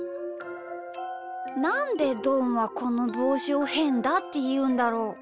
なんでどんはこのぼうしを「へんだ」っていうんだろう？